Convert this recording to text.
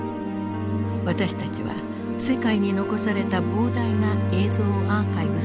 私たちは世界に残された膨大な映像アーカイブスを収集。